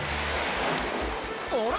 あれ？